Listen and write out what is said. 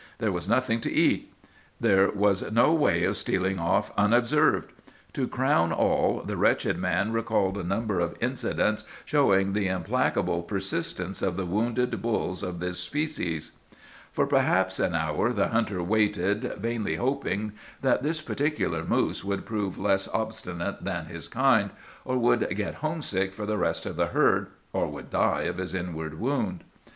There was nothing to eat. There was no way of stealing off unobserved. To crown all, the wretched man recalled a number of incidents showing the implacable persistence of the wounded bulls of this species. "For perhaps an hour the hunter waited, vainly hoping that this particular moose would prove less obstinate than his kind, or would get homesick for the rest of the herd, or would die of his inward wound.